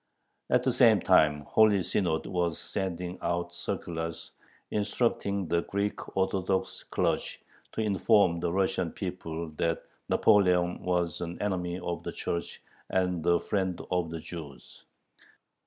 At the same time the Holy Synod was sending out circulars instructing the Greek Orthodox clergy to inform the Russian people that Napoleon was an enemy of the Church and a friend of the Jews.